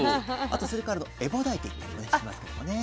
あとそれからエボダイって言ったりもしますけどもね。